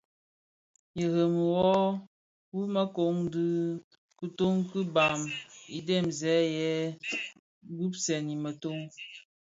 Irèmi wu mëkōň dhi kitoň ki bhan idhemzè bi gubsèn i mëkōň.